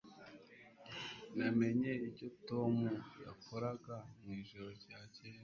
Namenye icyo Tom yakoraga mwijoro ryakeye.